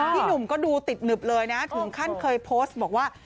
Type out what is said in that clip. พี่หนุ่มก็ดูติดหนึบเลยนะถึงขั้นเคยโพสต์บอกว่า